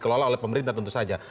terlalu lalu oleh pemerintah tentu saja